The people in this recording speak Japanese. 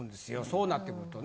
そうなってくると。